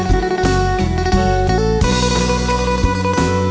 พร้อมน้ำ